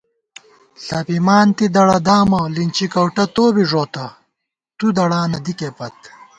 ݪَپِمان تِی دڑہ دامہ لِنچی کَؤٹہ تو بی ݫوتہ ، تُودڑانہ دِکےپت